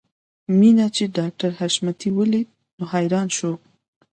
مينه چې ډاکټر حشمتي وليده نو حیران شو